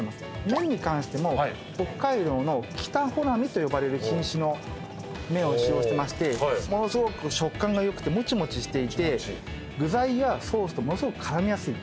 麺に関しても北海道のきたほなみと呼ばれる品種の麺を使用してましてものすごく食感が良くてもちもちしていて具材やソースとものすごく絡みやすい。